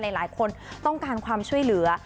หลายคนต้องการความช่วยเหลือ